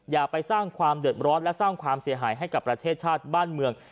อย่าไปสร้างความเดือดร้อนและสร้างความเสียหายให้กับประเทศชาติบ้านเมือง